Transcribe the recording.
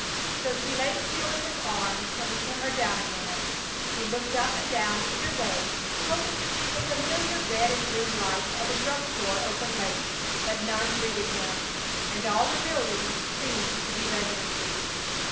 So she lay still in his arms till he put her down again. He looked up and down either way, hoping to see the familiar red and green lights of a drug store open late; but none greeted him; all the buildings seemed to be residences.